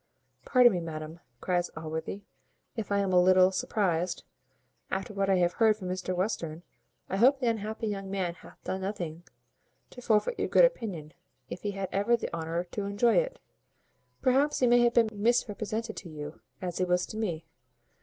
"Pardon me, madam," cries Allworthy, "if I am a little surprized, after what I have heard from Mr Western I hope the unhappy young man hath done nothing to forfeit your good opinion, if he had ever the honour to enjoy it. Perhaps, he may have been misrepresented to you, as he was to me.